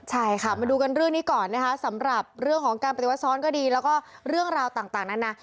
ใช่ค่ะมาดูกันเรื่องนี้ก่อนนะคะสำหรับเรื่องของการปฏิวัติซ้อนก็ดีแล้วก็เรื่องราวต่างนั้นนะ